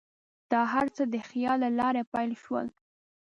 دا هر څه د خیال له لارې پیل شول.